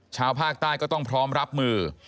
ชาวภาคใต้ก็ต้องพร้อมรับมือ